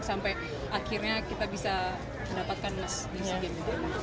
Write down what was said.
sampai akhirnya kita bisa mendapatkan emas di sea games